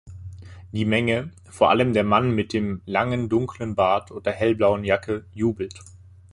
Die Menge, vor allem der Mann mit dem langen dunklen Bart und der hellblauen Jacke, jubelt.